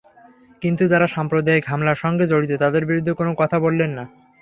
কিন্তু যারা সাম্প্রদায়িক হামলার সঙ্গে জড়িত, তাদের বিরুদ্ধে কোনো কথা বললেন না।